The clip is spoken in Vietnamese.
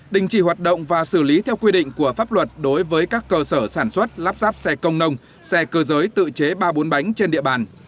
đình chỉ hoạt động và xử lý theo quy định của pháp luật đối với các cơ sở sản xuất lắp ráp xe công nông xe cơ giới tự chế ba bốn bánh trên địa bàn